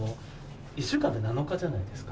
１週間って７日じゃないですか。